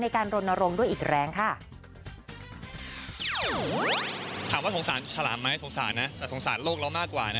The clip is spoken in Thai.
ในการรนรงค์ด้วยอีกแรงค่ะ